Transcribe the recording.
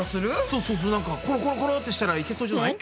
そうなんかコロコロコロってしたらいけそうじゃない？